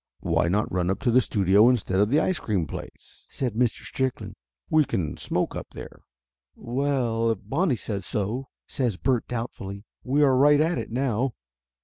"Why not run up to the studio instead of the ice cream place?" said Mr. Strickland. "We can smoke up there." "Well, if Bonnie says so," says Bert doubtfully. "We are right at it now."